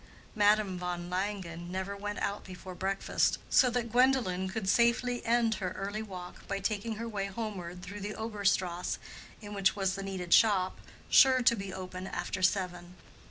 Madame von Langen never went out before breakfast, so that Gwendolen could safely end her early walk by taking her way homeward through the Obere Strasse in which was the needed shop, sure to be open after seven.